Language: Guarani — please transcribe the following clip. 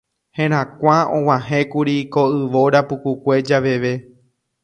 Herakuã og̃uahẽkuri ko yvóra pukukue javeve.